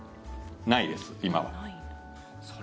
ないです、今は。